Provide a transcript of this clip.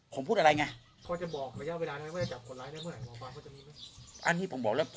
ผมพูดอะไรไงพ่อจะบอกไว้เยอะเวลานั้นไม่ได้จับคนร้ายแล้ว